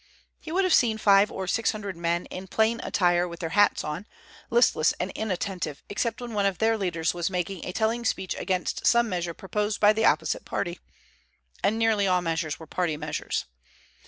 He would have seen five or six hundred men, in plain attire, with their hats on, listless and inattentive, except when one of their leaders was making a telling speech against some measure proposed by the opposite party, and nearly all measures were party measures.